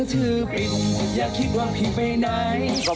หื้อถือปิดอย่าคิดว่าผิดไปไหน